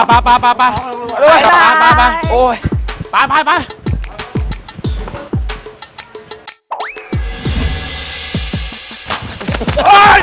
ไปเลย